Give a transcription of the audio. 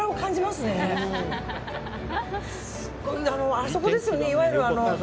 あそこですよね、いわゆる。